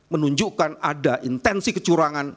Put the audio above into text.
menunjukkan ada intensi kecurangan